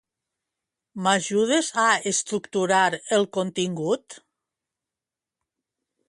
M'ajudes a estructurar el contingut?